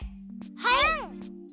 はい！